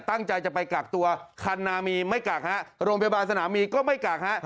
ตั้งใจจะไปกักตัวคันนามีไม่กักฮะโรงพยาบาลสนามมีก็ไม่กักฮะ